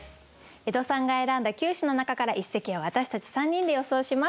江戸さんが選んだ９首の中から一席を私たち３人で予想します。